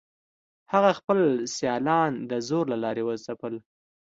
هغه خپل سیالان د زور له لارې وځپل.